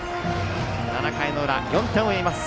７回の裏、４点を追います